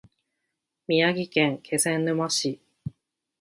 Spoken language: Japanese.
宮城県気仙沼市